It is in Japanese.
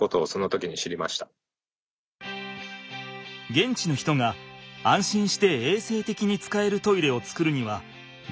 現地の人が安心して衛生的に使えるトイレを作るにはどうすればいいのか。